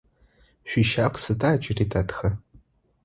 Шъуищагу сыда джыри дэтхэр?